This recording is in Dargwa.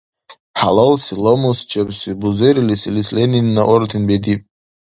ХӀялалси, ламусчебси бузерилис илис Ленинна орден бедиб.